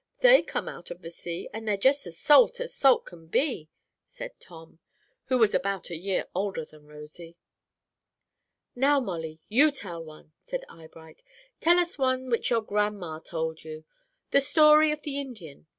They come out of the sea, and they're just as salt as salt can be," said Tom, who was about a year older than Rosy. "Now, Molly, you tell one," said Eyebright. "Tell us that one which your grandma told you, the story about the Indian.